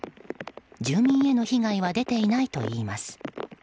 住民への被害は出ていないといいます。